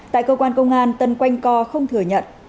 tại cơ quan công an tân quanh co không thừa nhận